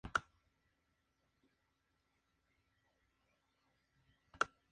La estación se encuentra localizada en Adams Street y Milton Street en Boston, Massachusetts.